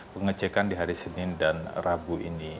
pengecekan di hari senin dan rabu ini